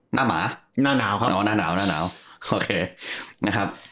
หมาหน้าหนาวครับอ๋อหน้าหนาวหน้าหนาวโอเคนะครับ